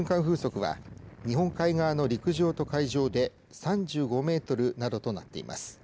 風速は日本海側の陸上と海上で３５メートルなどとなっています。